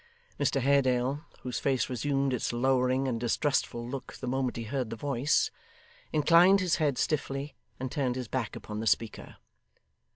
Mr Haredale, whose face resumed its lowering and distrustful look the moment he heard the voice, inclined his head stiffly, and turned his back upon the speaker.